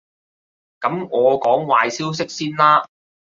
噉我講壞消息先啦